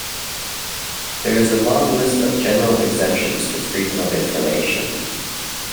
There is a long list of general exemptions to freedom of information.